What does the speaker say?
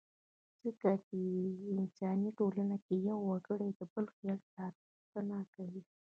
ځکه چې انساني ټولنه کې يو وګړی د بل خیال ساتنه کوي.